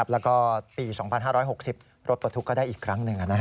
แล้วก็ปี๒๕๖๐รถปลดทุกข์ก็ได้อีกครั้งหนึ่ง